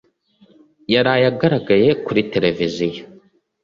Yaraye agaragaye kuri tereviziyo.